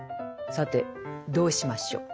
さてどうしましょう。